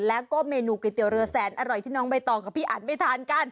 แล้วก็เมนูก๋วยเตี๋ยเรือแสนอร่อยที่น้องใบตองกับพี่อันไม่ทานกัน